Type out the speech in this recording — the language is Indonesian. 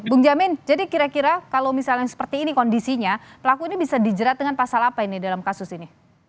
bung jamin jadi kira kira kalau misalnya seperti ini kondisinya pelaku ini bisa dijerat dengan pasal apa ini dalam kasus ini